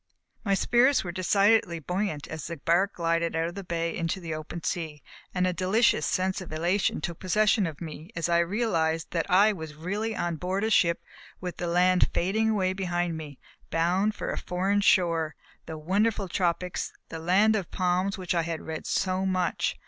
My spirits were decidedly buoyant as the bark glided out of the bay into the open sea, and a delicious sense of elation took possession of me as I realized that I was really on board a ship, with the land fading away behind me, bound for a foreign shore, the wonderful tropics, the land of palms of which I had read so much.